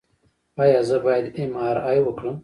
ایا زه باید ایم آر آی وکړم؟